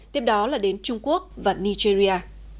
tiếp đó là đến trung quốc và nigeria